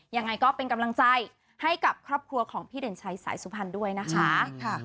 ยังไงก็เป็นกำลังใจให้กับครอบครัวของพี่เด่นชัยสายสุพรรณด้วยนะคะ